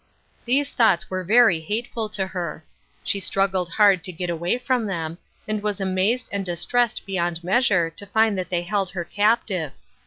These thoughts were very hateful to her. She strug gled hard to get away from them, and was amazed and distressed beyond measure to find that they held her captive.